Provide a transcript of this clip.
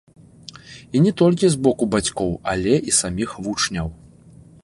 І не толькі з боку бацькоў, але і саміх вучняў.